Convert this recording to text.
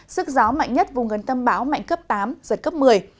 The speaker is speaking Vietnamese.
sức gió mạnh nhất vùng gần tâm báo mạnh cấp tám giật cấp một mươi